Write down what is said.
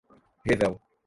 revel